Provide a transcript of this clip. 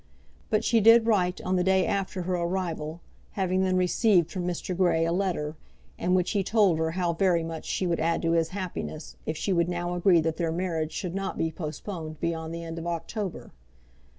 But she did write on the day after her arrival, having then received from Mr. Grey a letter, in which he told her how very much she would add to his happiness if she would now agree that their marriage should not be postponed beyond the end of October.